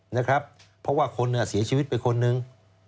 เพราะว่าคนเสียชีวิตไปคนนึง